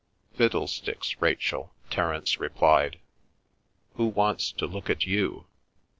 "Fiddlesticks, Rachel," Terence replied. "Who wants to look at you?